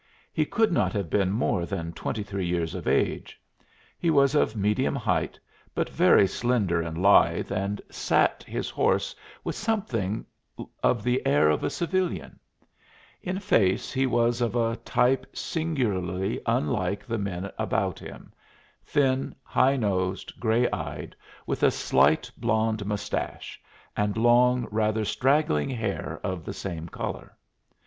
He could not have been more than twenty three years of age. He was of medium height, but very slender and lithe, and sat his horse with something of the air of a civilian. In face he was of a type singularly unlike the men about him; thin, high nosed, gray eyed, with a slight blond mustache, and long, rather straggling hair of the same color.